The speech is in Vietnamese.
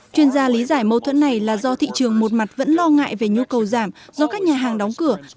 chuyên gia lý giải mâu thuẫn này là do thị trường một mặt vẫn lo ngại về nhu cầu giảm do các nhà hàng đóng cửa